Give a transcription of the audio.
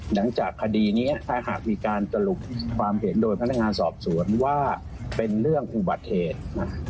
หลังจากคดีนี้ถ้าหากมีการสรุปความเห็นโดยพนักงานสอบสวนว่าเป็นเรื่องอุบัติเหตุนะ